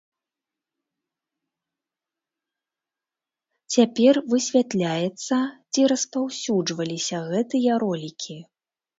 Цяпер высвятляецца, ці распаўсюджваліся гэтыя ролікі.